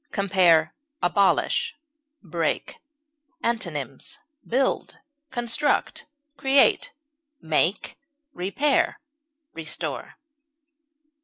Compare ABOLISH; BREAK. Antonyms: build, construct, create, make, repair, restore.